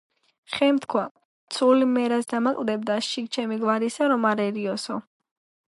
ხემ თქვა: „ცული მე რას დამაკლებდა, შიგ ჩემი გვარისა რომ არ ერიოსო